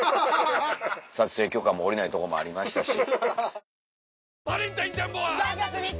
撮影許可も下りないとこもありましたし。